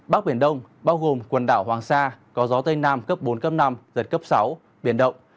bắc biển đông bao gồm quần đảo hoàng sa có gió tây nam cấp bốn cấp năm giật cấp sáu biển động